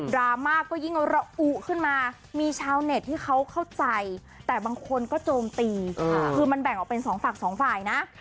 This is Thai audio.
ราม่าก็ยิ่งระอุขึ้นมามีชาวเน็ตที่เขาเข้าใจแต่บางคนก็โจมตีคือมันแบ่งออกเป็นสองฝั่งสองฝ่ายนะ